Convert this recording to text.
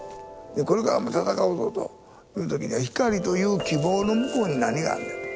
これからも闘うぞという時には光という希望の向こうに何があんのやと。